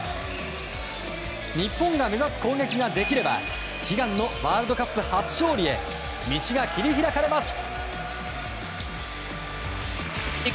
日本が目指す攻撃ができれば悲願のワールドカップ初勝利へ道が切り開かれます。